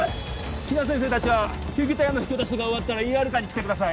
比奈先生達は救急隊への引き渡しが終わったらＥＲカーに来てください